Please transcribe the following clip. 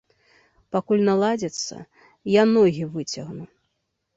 Пакуль наладзіцца, я ногі выцягну!